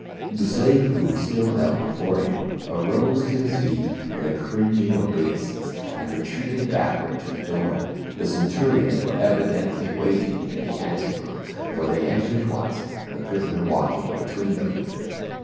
The slave who still knelt before him arose to his feet with a cringing obeisance and retreated backward to the door. The centurions were evidently waiting in the ante room, for they entered at once, the prisoner walking between thcni.